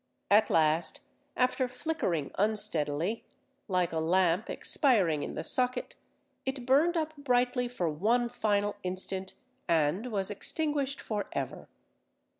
At last, after flickering unsteadily, like a lamp expiring in the socket, it burned up brightly for one final instant, and was extinguished for ever.